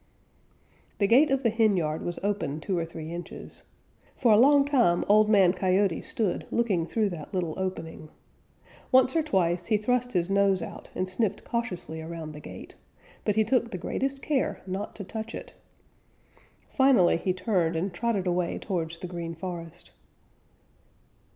The gate of the henyard was open two or three inches. For a long time Old Man Coyote stood looking through that little opening. Once or twice he thrust his nose out and sniffed cautiously around the gate, but he took the greatest care not to touch it. Finally he turned and trotted away towards the Green Forest.